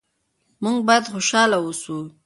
موږ باید خوشحاله اوسو.